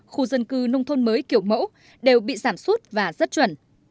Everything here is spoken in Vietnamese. khu dân cư nông thôn mới kiểu mẫu đều bị giảm xuất và rớt chuẩn